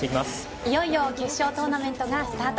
いよいよ決勝トーナメントがスタート。